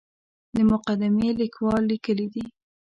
د مقدمې لیکوال لیکلي دي.